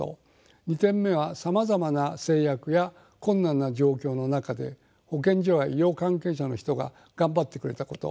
２点目はさまざまな制約や困難な状況の中で保健所や医療関係者の人ががんばってくれたこと。